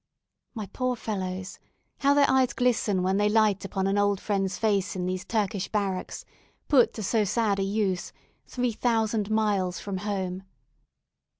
My poor fellows! how their eyes glisten when they light upon an old friend's face in these Turkish barracks put to so sad a use, three thousand miles from home.